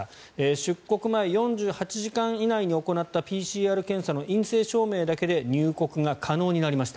出国前４８時間以内に行ったＰＣＲ検査の陰性証明だけで入国が可能になりました。